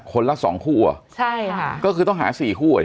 คนละ๒คู่อ่ะใช่ค่ะก็คือต้องหา๔คู่เลย